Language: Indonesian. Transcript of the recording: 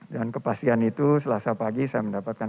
dan kepastian itu selasa pagi saya mendapatkan